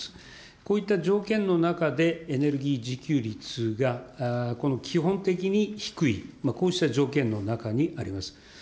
こういった条件の中でエネルギー自給率が基本的に低い、こうした条件の中にあります。